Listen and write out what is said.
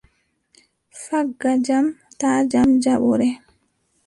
Fagga jam taa jam jaɓore.